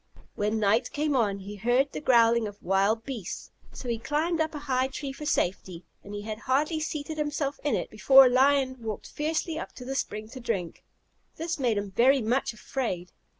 When night came on, he heard the growling of wild beasts, so he climbed up a high tree for safety, and he had hardly seated himself in it, before a lion walked fiercely up to the spring to drink. This made him very much afraid.